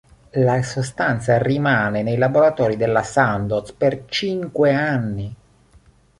La sostanza rimane nei laboratori della Sandoz per cinque anni.